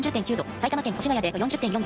埼玉県越谷で４０．４度。